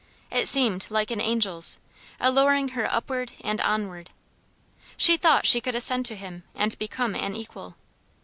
It seemed like an angel's, alluring her upward and onward. She thought she could ascend to him and become an equal.